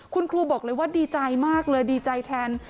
คุณครูบอกเลยว่าดีใจมากเลยดีใจแทน